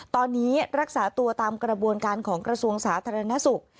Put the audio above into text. ตอนนี้รักษาตัวตามกระบวนการของกระทรวงสาธารณสุข